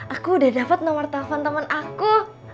aku udah dapet nomor telpon temen aku